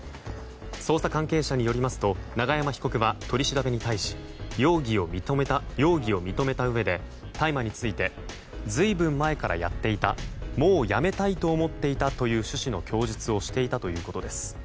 捜査関係者によりますと永山被告は取り調べに対し容疑を認めたうえで大麻について随分前からやっていたもうやめたいと思っていたという趣旨の供述をしていたということです。